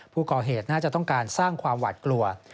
ผู้ก่อเหตุน่าจะต้องการสร้างความหวัดกลัว